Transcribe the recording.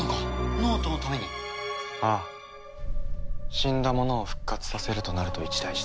死んだ者を復活させるとなると一大事だ。